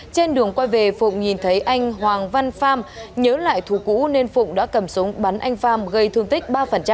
trên đường quay về phụng nhìn thấy anh hoàng văn pham nhớ lại thú cũ nên phụng đã cầm súng bắn anh pham gây thương tích ba